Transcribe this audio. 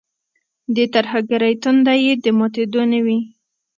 د ترهګرۍ تنده یې د ماتېدو نه وي.